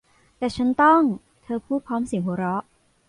แต่ฉันต้อง เธอพูดพร้อมเสียงหัวเราะ